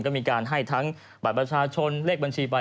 ก็มีการให้ทั้งบัตรประชาชนเลขบัญชีไป